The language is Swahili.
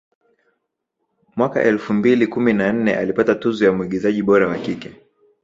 Mwaka elfu mbili kumi na nne alipata tuzo ya mwigizaji bora wa kike